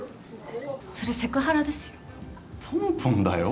それセクハラですよ。